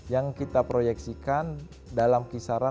yang kita proyeksikan dalam kisaran